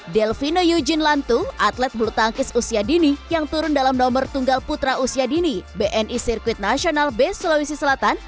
delvino yujin lantu atlet bulu tangkis usia dini yang turun dalam nomor tunggal putra usia dini bni sirkuit nasional b sulawesi selatan